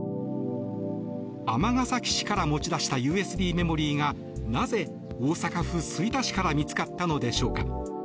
尼崎市から持ち出したＵＳＢメモリーがなぜ、大阪府吹田市から見つかったのでしょうか。